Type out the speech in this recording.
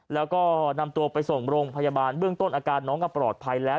แล้วก็นำตัวไปส่งโรงพยาบาลเบื้องต้นอาการน้องก็ปลอดภัยแล้ว